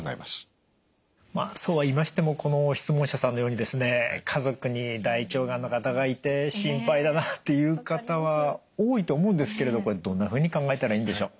まあそうは言いましてもこの質問者さんのようにですね家族に大腸がんの方がいて心配だなという方は多いと思うんですけれどこれどんなふうに考えたらいいんでしょう？